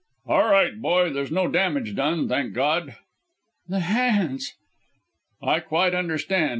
"All right, boy! There's no damage done, thank God...." "The hands! " "I quite understand.